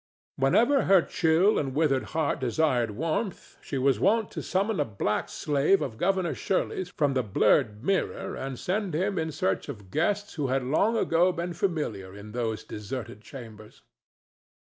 Whenever her chill and withered heart desired warmth, she was wont to summon a black slave of Governor Shirley's from the blurred mirror and send him in search of guests who had long ago been familiar in those deserted chambers.